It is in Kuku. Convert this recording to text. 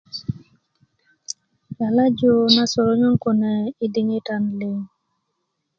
lalaju na soronyön kune i diŋitan liŋ